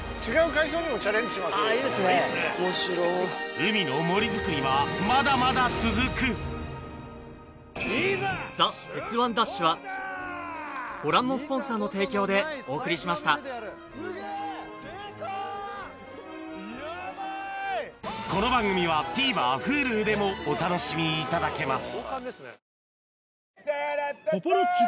海の森づくりはまだまだ続くこの番組はＴＶｅｒＨｕｌｕでもお楽しみいただけます